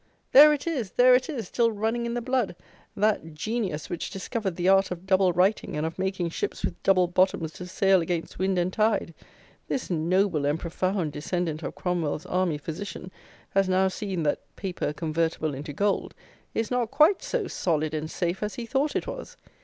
there it is, there it is, still running in the blood, that genius which discovered the art of double writing, and of making ships with double bottoms to sail against wind and tide!" This noble and profound descendant of Cromwell's army physician has now seen that "paper, convertible into gold," is not quite so "solid and safe" as he thought it was!